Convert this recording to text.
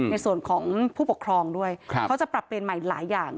ในส่วนของผู้ปกครองด้วยเขาจะปรับเปลี่ยนใหม่หลายอย่าง